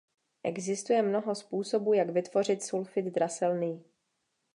Existuje mnoho způsobů jak vytvořit sulfid draselný.